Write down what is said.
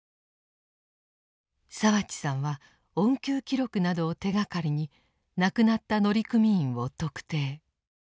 澤地さんは恩給記録などを手がかりに亡くなった乗組員を特定。